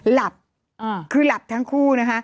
หลับคือหลับทั้งคู่